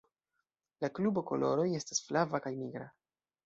La klubo koloroj estas flava kaj nigra.